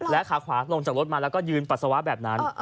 ขาขวาลงจากรถมาแล้วก็ยืนปัสสาวะแบบนั้น